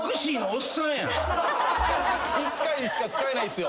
１回しか使えないっすよ。